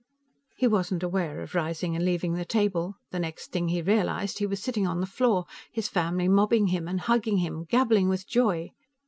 _" He wasn't aware of rising and leaving the table; the next thing he realized, he was sitting on the floor, his family mobbing him and hugging him, gabbling with joy.